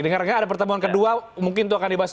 dengar nggak ada pertemuan kedua mungkin itu akan dibahas